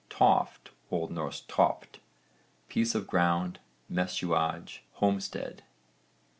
TOFT. O.N. topt, piece of ground, messuage, homestead.